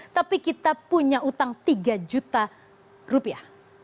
tapi kita punya utang tiga juta rupiah